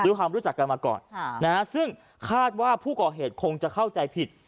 ความรู้จักกันมาก่อนซึ่งคาดว่าผู้ก่อเหตุคงจะเข้าใจผิด